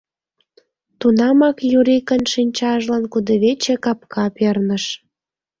Тунамак Юрикын шинчажлан кудывече капка перныш.